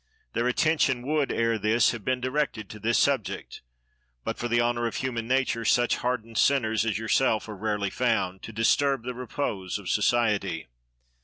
Their attention would ere this have been directed to this subject, but, for the honor of human nature, such hardened sinners as yourself are rarely found, to disturb the repose of society.